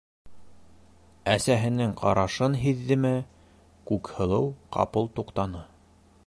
Әсәһенең ҡарашын һиҙҙеме - Күкһылыу ҡапыл туҡтаны: